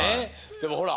でもほら